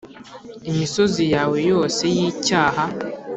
imisozi yawe yose y'icyaha